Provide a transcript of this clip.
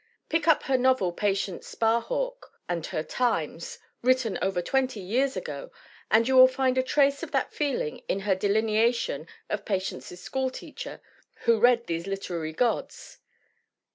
Pick up her novel Patience Sparhawk and Her Times, written over twenty years ago, and you will find a trace of that feeling in her delineation of Patience's schoolteacher, who read these literary gods.